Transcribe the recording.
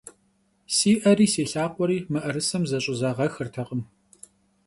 Si 'eri si lhakhueri mı'erısem zeş'ızağexırtekhım.